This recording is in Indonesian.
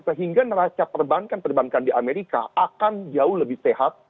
sehingga neraca perbankan perbankan di amerika akan jauh lebih sehat